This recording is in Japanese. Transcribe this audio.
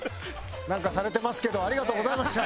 なんかされてますけどありがとうございました。